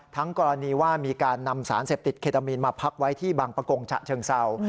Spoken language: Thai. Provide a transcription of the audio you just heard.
กรณีว่ามีการนำสารเสพติดเคตามีนมาพักไว้ที่บางประกงฉะเชิงเศร้า